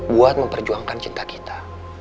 buat memperjuangkan cinta kita